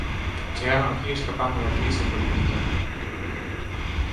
Chegaron aquí escapando da crise política.